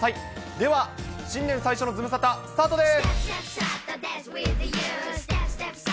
では、新年最初のズムサタ、スタートです。